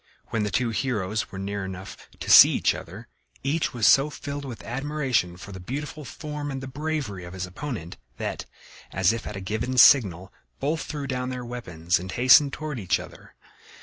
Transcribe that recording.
When the two heroes were near enough to see each other, each was so filled with admiration for the beautiful form and the bravery of his opponent that, as if at a given signal, both threw down their weapons and hastened toward each other.